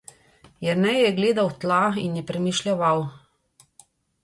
Jernej je gledal v tla in je premišljeval.